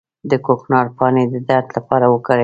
د کوکنارو پاڼې د درد لپاره وکاروئ